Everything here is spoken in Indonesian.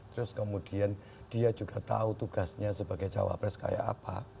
terus kemudian dia juga tahu tugasnya sebagai cawapres kayak apa